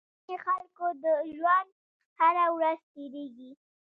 په ځينې خلکو د ژوند هره ورځ تېرېږي.